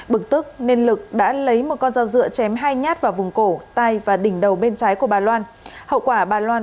bực tức nên lực đã lấy một con dao dựa chém hai nhát vào vùng cổ tay và đỉnh đầu bên trái của bà loan